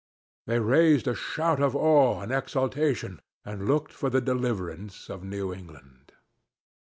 They raised a shout of awe and exultation, and looked for the deliverance of New England.